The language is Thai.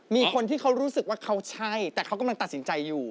มีคนที่เขารู้สึกว่าเขาใช่แต่เขากำลังตัดสินใจอยู่